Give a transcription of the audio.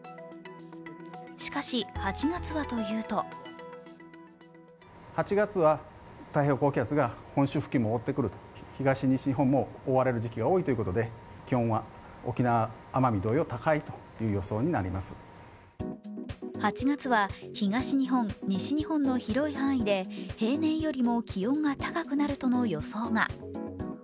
しかし、８月はというと８月は東日本、西日本の広い範囲で平年よりも気温が高くなるとの予想が。